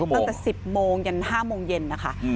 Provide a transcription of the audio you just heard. ตั้งแต่๑๐โมงยัน๕โมงเย็นนะคะ